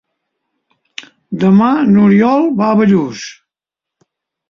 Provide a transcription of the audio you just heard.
Demà n'Oriol va a Bellús.